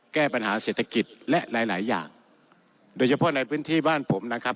แก้ปัญหาเศรษฐกิจและหลายหลายอย่างโดยเฉพาะในพื้นที่บ้านผมนะครับ